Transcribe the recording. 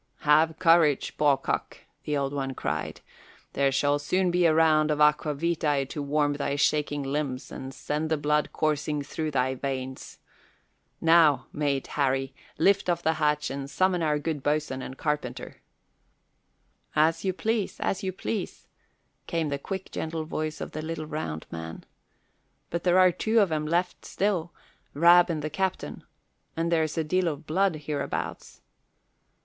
"Have courage, bawcock," the Old One cried; "there shall soon be a round of aqua vitæ to warm thy shaking limbs and send the blood coursing through thy veins. Now, Mate Harry, lift off the hatch and summon our good boatswain and carpenter." "As you please, as you please," came the quick, gentle voice of the little round man. "But there are two of 'em left still Rab and the captain and there's a deal of blood hereabouts."